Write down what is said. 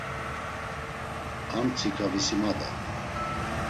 Armtsika visimada.